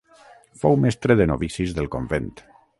Fou mestre de novicis del convent.